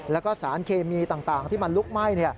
แล้วก็สารเคมีต่างที่มันลุกไหม้